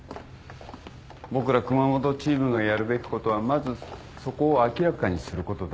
僕ら熊本チームがやるべきことはまずそこを明らかにすることだね。